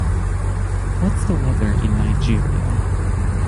What's the weather in Nigeria?